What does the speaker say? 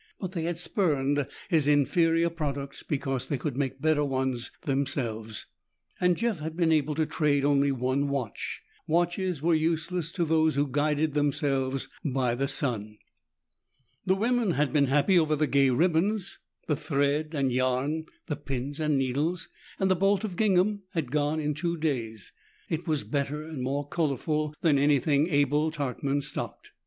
But they had spurned his inferior products because they could make better ones themselves, and Jeff had been able to trade only one watch. Watches were useless to those who guided themselves by the sun. The women had been happy over the gay ribbons, the thread and yarn, the pins and needles, and the bolt of gingham had gone in two days. It was better and more colorful than anything Abel Tarkman stocked.